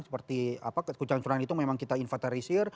seperti apa kecancuran itu memang kita inverterisir